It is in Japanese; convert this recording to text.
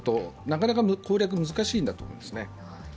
なかなか攻略が難しいんだと思いますね。